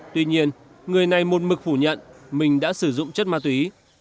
tuy nhiên người này môn mực phủ nhận mình đã sử dụng chất ma túy